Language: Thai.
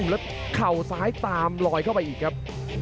แล้วเข่าซ้ายตามลอยเข้าไปอีกครับ